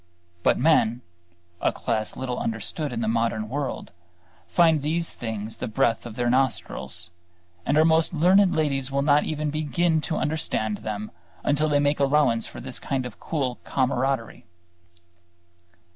But men (a class little understood in the modern world) find these things the breath of their nostrils; and our most learned ladies will not even begin to understand them until they make allowance for this kind of cool camaraderie.